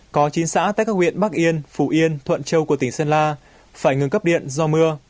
có chín xã tại các huyện bắc yên phủ yên thuận châu của tỉnh sơn la phải ngừng cấp điện do mưa